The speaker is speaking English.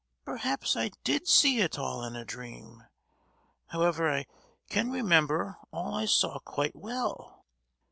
Perhaps I did see it all in a dream! However, I can remember all I saw quite well.